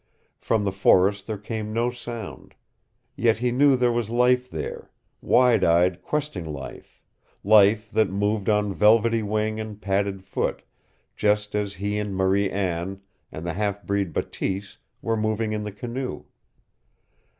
From the forest there came no sound. Yet he knew there was life there, wide eyed, questing life, life that moved on velvety wing and padded foot, just as he and Marie Anne and the half breed Bateese were moving in the canoe.